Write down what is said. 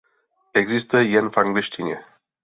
Existuje jen v angličtině.